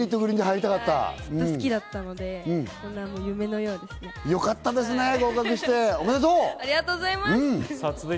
ずっと好きだったので、よかったですね、合格して。